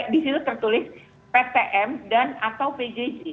di situ tertulis ptm dan atau pjj